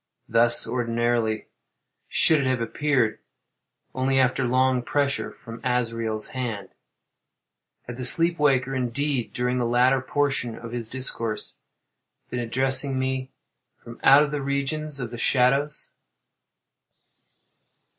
Thus, ordinarily, should it have appeared, only after long pressure from Azrael's hand. Had the sleep waker, indeed, during the latter portion of his discourse, been addressing me from out the region of the shadows?